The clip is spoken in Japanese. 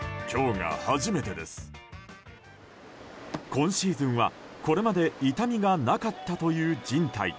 今シーズンは、これまで痛みがなかったというじん帯。